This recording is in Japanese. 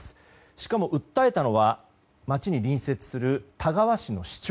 しかも訴えたのは町に隣接する田川市の市長。